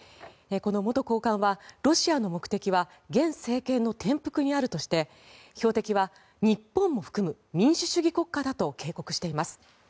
この元高官はロシアの狙いは現政権の転覆にあるとして標的は日本も含む民主主義国家と警告しています。